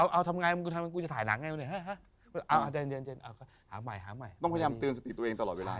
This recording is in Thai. เอ้าทำง่ายมิมรึงทำกูจะถ่ายหนังไงวะนี่หาใหม่ต้องพยายามตื่นสติตัวเองตลอดเวลา